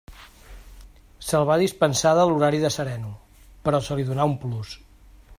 Se'l va dispensar de l'horari de sereno, però se li donà un plus.